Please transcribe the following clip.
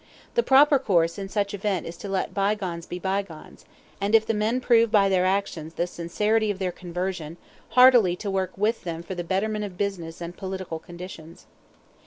The proper course in such event is to let bygones be bygones, and if the men prove by their actions the sincerity of their conversion, heartily to work with them for the betterment of business and political conditions.